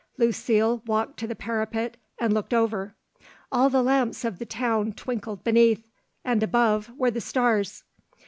Lucile walked to the parapet and looked over; all the lamps of the town twinkled beneath, and above were the stars.